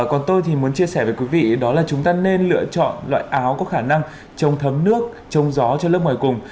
còn tôi thì muốn chia sẻ với quý vị đó là chúng ta nên lựa chọn loại áo có khả năng chống thấm nước trông gió cho lớp ngoài cùng